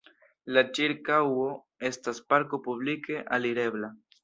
La ĉirkaŭo estas parko publike alirebla.